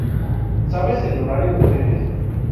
¿Sabes el horario de trenes?